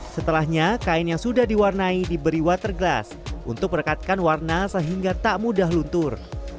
setelahnya kain yang sudah diwarnai diberi water glass untuk merekatkan warna sehingga tak mudah luntur